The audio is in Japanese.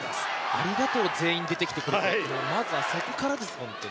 ありがとう全員出てきてくれてとまずはそこからです。